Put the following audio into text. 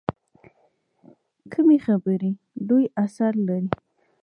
کمې خبرې، لوی اثر لري.